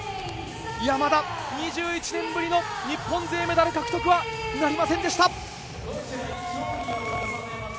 山田、２１年ぶりの日本勢メダル獲得はなりませんでした。